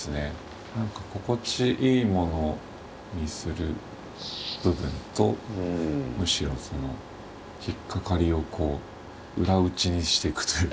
何か心地いいものにする部分とむしろその引っかかりをこう裏打ちにしていくというか。